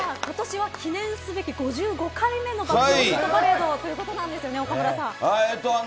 今年は記念すべき５５回目の「爆笑ヒットパレード」ということなんですね、岡村さん。